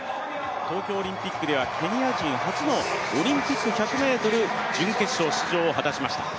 東京オリンピックではケニア人初のオリンピック１００ｍ準決勝出場を果たしました。